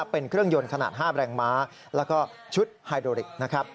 เป็นเครื่องยนต์ขนาด๕แรงม้าและชุดไฮโดริก